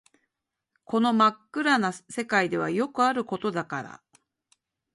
この真っ暗な世界ではよくあることだったから